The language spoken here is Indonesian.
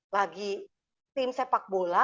lagi tim sepak bola